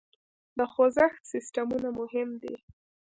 د خوزښت سیسټمونه مهم دي.